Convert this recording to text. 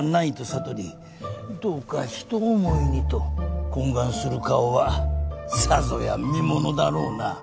悟りどうか一思いにと懇願する顔はさぞや見ものだろうな。